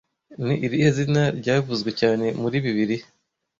Ni irihe zina ryavuzwe cyane muri Bibiliya